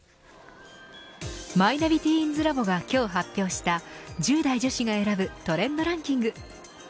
マイナビティーンズラボが今日発表した１０代女子が選ぶトレンドランキング。